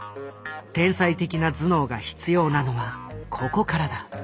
天才的な頭脳が必要なのはここからだ。